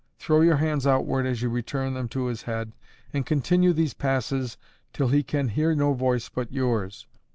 Throw your hands outward as you return them to his head, and continue these passes till he can hear no voice but yours.